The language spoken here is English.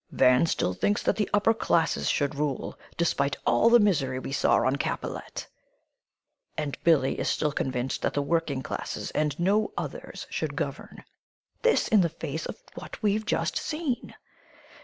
"Van still thinks that the upper classes should rule, despite all the misery we saw on Capellette! And Billie is still convinced that the working classes, and no others, should govern! This, in the face of what we've just seen!